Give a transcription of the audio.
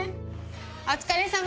お疲れさま。